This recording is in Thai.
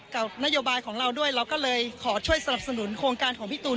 กับนโยบายของเรารอก็เลยขอช่วยที่ทราบสนุนโครงการของพี่ตูน